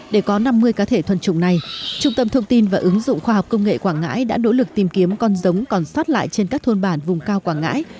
để có năm mươi cá thể thuần trùng này trung tâm thông tin và ứng dụng khoa học công nghệ quảng ngãi đã nỗ lực tìm kiếm con giống còn sót lại trên các thôn bản vùng cao quảng ngãi